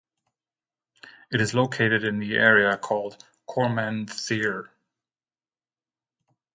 It is located in the area called Cormanthyr.